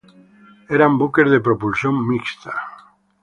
Eran buques de propulsión mixta.